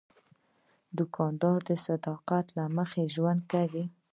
دوکاندار د صداقت له مخې ژوند کوي.